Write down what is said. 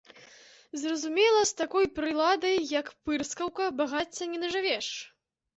Зразумела, з такой прыладай, як пырскаўка, багацця не нажывеш!